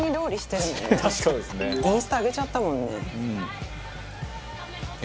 インスタ上げちゃったもんね。